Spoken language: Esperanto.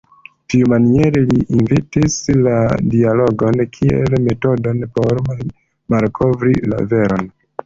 Tiumaniere li inventis la dialogon kiel metodon por malkovri la veron.